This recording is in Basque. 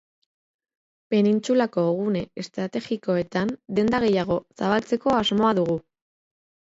Penintsulako gune estrategikoetan denda gehiago zabaltzeko asmoa dugu.